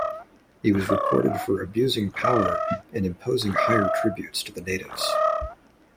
He was reported for abusing power and imposing higher tributes to the natives.